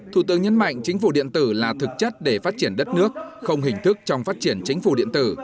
thủ tướng nhấn mạnh chính phủ điện tử là thực chất để phát triển đất nước không hình thức trong phát triển chính phủ điện tử